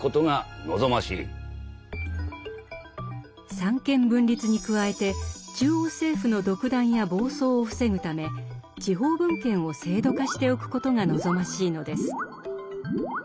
三権分立に加えて中央政府の独断や暴走を防ぐため地方分権を制度化しておくことが望ましいのです。